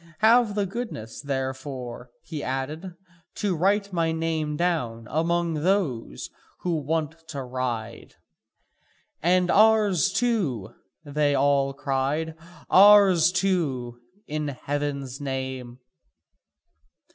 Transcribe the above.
Have the goodness, therefore," he added, "to write my name down among those who want to ride." "And ours too," they all cried, "ours too, in heaven's name!"